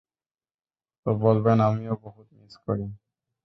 তো বলবেন, আমিও বহুত মিস করি।